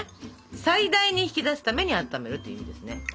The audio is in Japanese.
最大に引き出すために温めるという意味ですね。